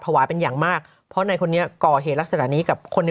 วายเป็นอย่างมากเพราะในคนนี้ก่อเหตุลักษณะนี้กับคนใน